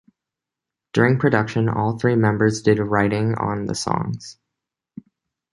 During production, all three members did writing on the songs.